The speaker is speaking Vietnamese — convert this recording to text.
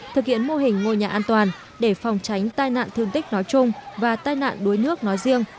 thực hiện mô hình ngôi nhà an toàn để phòng tránh tai nạn thương tích nói chung và tai nạn đuối nước nói riêng